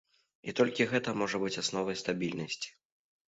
І толькі гэта можа быць асновай стабільнасці.